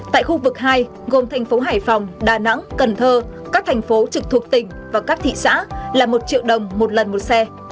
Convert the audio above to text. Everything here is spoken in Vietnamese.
tại khu vực hai gồm thành phố hải phòng đà nẵng cần thơ các thành phố trực thuộc tỉnh và các thị xã là một triệu đồng một lần một xe